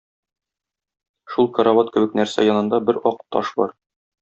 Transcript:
Шул карават кебек нәрсә янында бер ак таш бар.